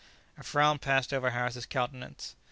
A frown passed over Harris's countenance.